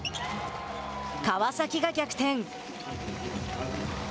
川崎が逆転。